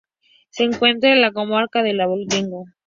Se encuentra en la comarca de El Abadengo.